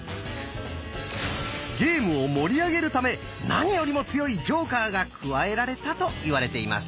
ゲームを盛り上げるため何よりも強いジョーカーが加えられたといわれています。